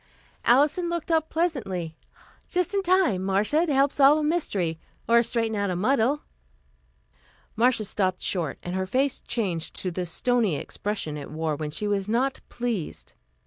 Alison looked up pleasantly. "Just in time, Marcia, to help solve a mystery, or straighten out a muddle." Marcia stopped short and her face changed to the stony expression it wore when she was not pleased.